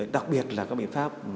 đặc biệt là các biện pháp